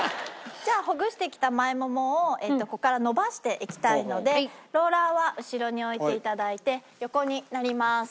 じゃあほぐしてきた前ももをここから伸ばしていきたいのでローラーは後ろに置いて頂いて横になります。